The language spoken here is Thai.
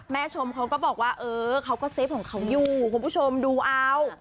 ชมเขาก็บอกว่าเออเขาก็เซฟของเขาอยู่คุณผู้ชมดูเอา